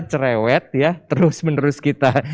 cerewet ya terus menerus kita